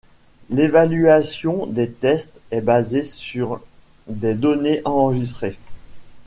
L'évaluation des tests est basée sur des données enregistrées.